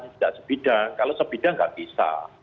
tidak sebidang kalau sebidang nggak bisa